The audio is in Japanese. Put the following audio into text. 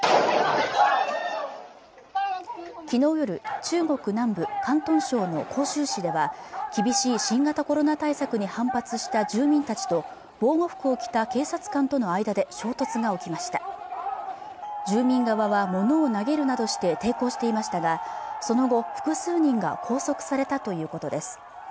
昨日夜中国南部広東省の広州市では厳しい新型コロナ対策に反発した住民たちと防護服を着た警察官との間で衝突が起きました住民側は物を投げるなどして抵抗していましたがその後複数人が拘束されたということです